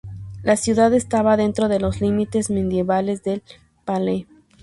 La ciudad estaba dentro de los límites medievales del "pale".